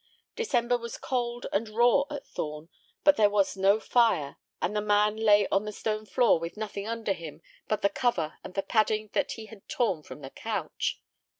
December was cold and raw at Thorn, but there was no fire, and the man lay on the stone floor with nothing under him but the cover and the padding that he had torn from the couch.